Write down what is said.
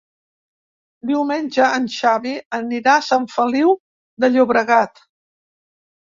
Diumenge en Xavi anirà a Sant Feliu de Llobregat.